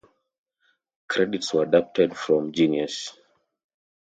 Credits were adapted from Genius.